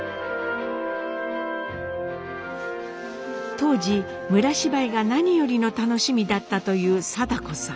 当時村芝居が何よりの楽しみだったというサダ子さん。